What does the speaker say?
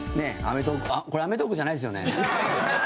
これ、『アメトーーク』じゃないですよね？